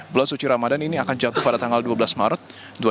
bulan suci ramadan ini akan jatuh pada tanggal dua belas maret